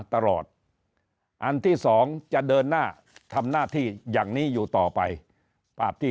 ตลอดอันที่สองจะเดินหน้าทำหน้าที่อย่างนี้อยู่ต่อไปภาพที่